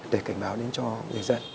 để cảnh báo đến cho người dân